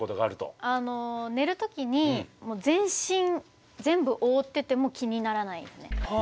寝るときに全身全部覆ってても気にならないですね。